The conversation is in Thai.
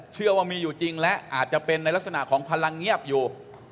เชื่อว่ามีอยู่จริงและอาจจะเป็นในลักษณะของพลังเงียบอยู่